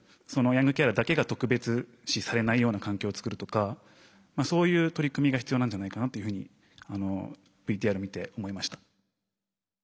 ヤングケアラーだけが特別視されないような環境をつくるとかそういう取り組みが必要なんじゃないかなというふうにＶＴＲ見て思いました。